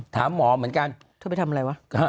ถามหมอเหมือนกันเธอไปทำอะไรวะ